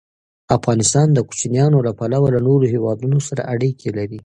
افغانستان د کوچیانو له پلوه له نورو هېوادونو سره اړیکې لري.